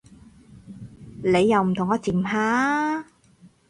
你又唔同我甜下